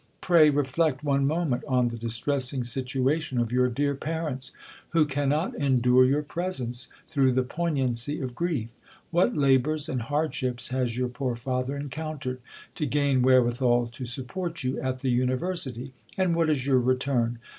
Pray reflect one moment on the distressing situation of your dear parents, who cannot endure your presence, through the poignancy of grief! What labours and hardships has your poor father encountered, to gain wherewithal to support you at the University ! And what is your return